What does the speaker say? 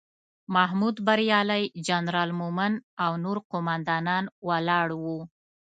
محمود بریالی، جنرال مومن او نور قوماندان ولاړ وو.